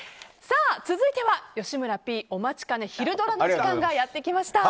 続いては、吉村Ｐお待ちかねひるドラ！の時間がやってきました。